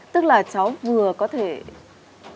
tức là cháu vừa có thể đứng đắn trong tương lai